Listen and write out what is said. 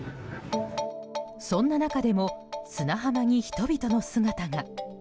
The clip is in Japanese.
そんな中でも砂浜に人々の姿が。